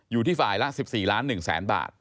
อยู่ที่ฝ่ายละ๑๔ล้าน๑แสนบาท